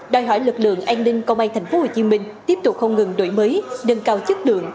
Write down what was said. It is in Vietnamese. đòi hỏi lực lượng an ninh công an tp hcm tiếp tục không ngừng đổi mới nâng cao chất lượng